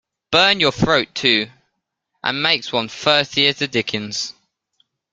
Burns your throat, too, and makes one as thirsty as the dickens.